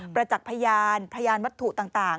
จักษ์พยานพยานวัตถุต่าง